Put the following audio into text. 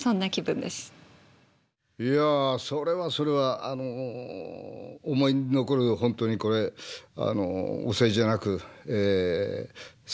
いやそれはそれはあの思い出に残る本当にこれお世辞じゃなく作品だったんで。